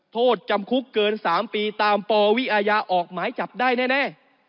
โทษจำคุกเกิน๓ปีตามปวิอาญาออกหมายจับได้แน่